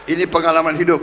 ini pengalaman hidup